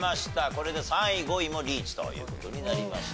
これで３位５位もリーチという事になりました。